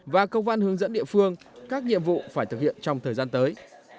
và công văn hướng dẫn địa phương các nhiệm vụ phải thực hiện trong thời gian tới